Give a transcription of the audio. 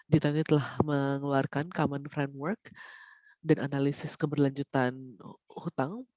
di tiongkok telah mengeluarkan common framework dan analisis keberlanjutan utang